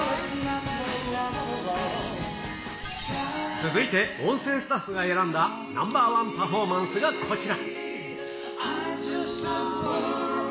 続いて、音声スタッフが選んだナンバーワンパフォーマンスがこちら。